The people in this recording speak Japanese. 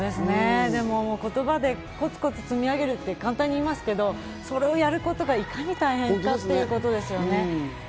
言葉でコツコツ積み上げるって簡単に言いますけど、それをやることがいかに大変かっていうことですよね。